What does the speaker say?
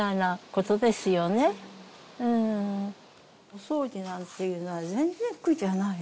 お掃除なんていうのは全然苦じゃない。